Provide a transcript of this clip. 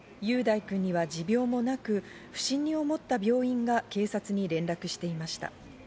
雄大くんには持病もなく不審に思った病院が警察に連絡していました。